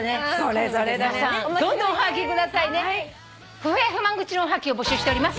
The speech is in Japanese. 不平不満愚痴のおはがきを募集しております。